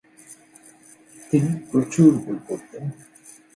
তিনি প্রচুর বই পড়তেন।